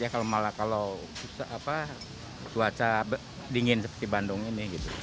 kalau malah kalau cuaca dingin seperti bandung ini